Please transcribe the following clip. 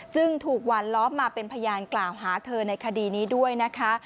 จึงถูกหวานล้อมมาเป็นพยานกล่าวหาเธอในคดีนี้ด้วยนะคะ